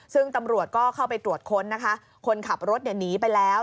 ซึ่งตำรวจก็เข้าไปตรวจค้นนะคะคนขับรถหนีไปแล้ว